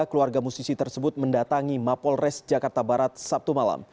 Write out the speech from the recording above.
keluarga musisi tersebut mendatangi mapolres jakarta barat sabtu malam